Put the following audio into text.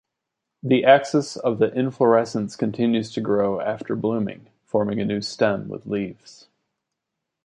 The axis of the inflorescence continues to grow after blooming, forming a new stem with leaves.